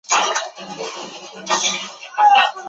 阿丽安萝德中扮演了其最重要的角色。